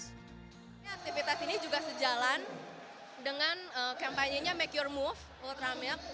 aktivitas ini juga sejalan dengan kampanye make your move ultramilk